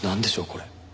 これ。